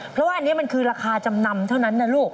เพราะว่าอันนี้มันคือราคาจำนำเท่านั้นนะลูก